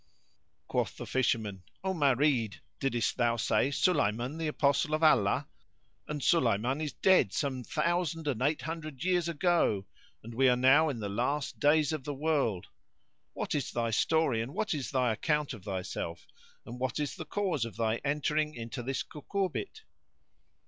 "[FN#66] Quoth the Fisherman, "O Marid,[FN#67] diddest thou say, Sulayman the Apostle of Allah; and Sulayman is dead some thousand and eight hundred years ago,[FN#68] and we are now in the last days of the world! What is thy story, and what is thy account of thyself, and what is the cause of thy entering into this cucurbit?"